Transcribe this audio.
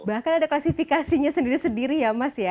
bahkan ada klasifikasinya sendiri sendiri ya mas ya